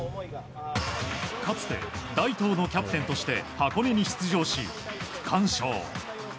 かつて大東のキャプテンとして箱根に出場し、区間賞。